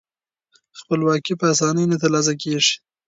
خپلواکي په اسانۍ نه ترلاسه کیږي.